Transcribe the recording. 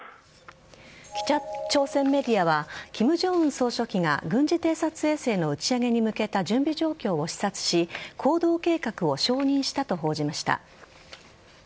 北朝鮮メディアは金正恩総書記が軍事偵察衛星の打ち上げに向けた準備状況を視察し行動計画を承認したと報じました。